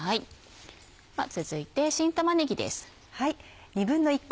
続いて新玉ねぎです。